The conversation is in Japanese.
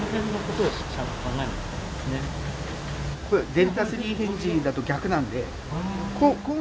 デルタスリーヒンジだと逆なんで。は。